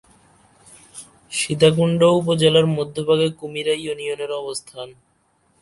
সীতাকুণ্ড উপজেলার মধ্যভাগে কুমিরা ইউনিয়নের অবস্থান।